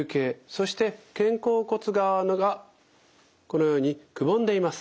そして肩甲骨側がこのようにくぼんでいます。